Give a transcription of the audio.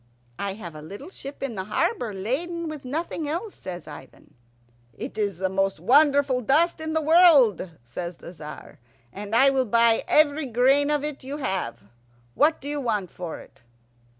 "I have a little ship in the harbour laden with nothing else," says Ivan. "It is the most wonderful dust in the world," says the Tzar, "and I will buy every grain of it you have. What do you want for it?"